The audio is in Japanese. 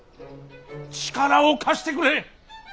力を貸してくれ。